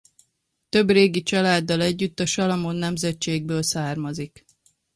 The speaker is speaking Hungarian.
Több régi családdal együtt a Salamon nemzetségből származik.